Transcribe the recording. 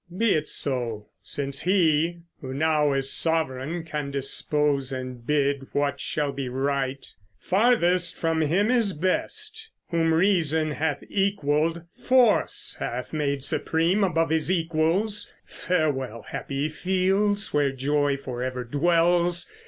Be it so, since He Who now is sovran can dispose and bid What shall be right: farthest from Him is best, Whom reason hath equalled, force hath made supreme Above his equals. Farewell, happy fields, Where joy forever dwells!